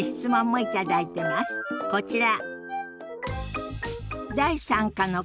こちら。